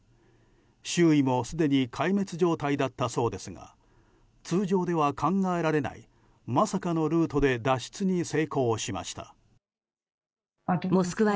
周囲もすでに壊滅状態だったそうですが通常では考えられないまさかのルートで脱出に成功しました。